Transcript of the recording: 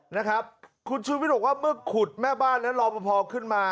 นะครับคุณชูวิทย์บอกว่าเมื่อขุดแม่บ้านและรอปภขึ้นมา